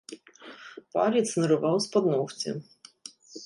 Палец нарываў з-пад ногця.